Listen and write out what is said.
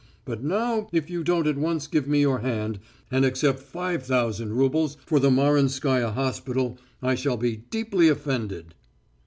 But now if you don't at once give me your hand, and accept five thousand roubles for the Marinskaya Hospital, I shall be deeply offended."